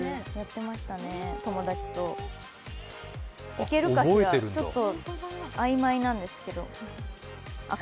いけるかしら、ちょっと曖昧なんですけど。